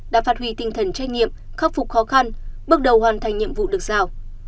đã phát huy tinh thần trách nhiệm khắc phục khó khăn bước đầu hoàn thành nhiệm vụ được giao